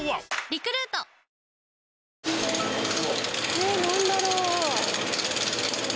えっなんだろう？